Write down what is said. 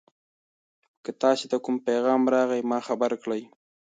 که تاسي ته کوم پیغام راغی ما خبر کړئ.